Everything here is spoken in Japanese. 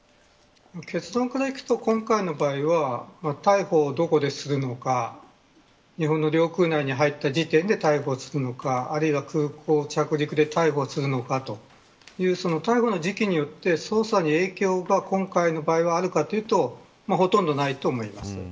結論からいくと今回の場合は逮捕をどこでするのか日本の領空内に入った時点で逮捕するのかあるいは空港着陸で逮捕するのかという逮捕の時期によって捜査に影響が今回の場合はあるかというとほとんどないと思います。